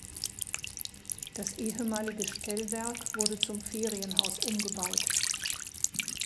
Das ehemalige Stellwerk wurde zum Ferienhaus umgebaut.